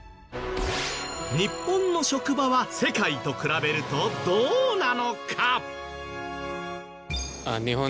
日本の職場は世界と比べるとどうなのか！？